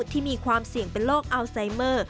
ที่มีความเสี่ยงเป็นโรคอัลไซเมอร์